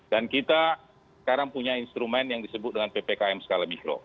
dan kita sekarang punya instrumen yang disebut dengan ppkm skala mikro